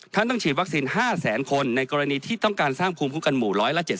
ต้องฉีดวัคซีน๕แสนคนในกรณีที่ต้องการสร้างภูมิคุ้มกันหมู่๑๗๐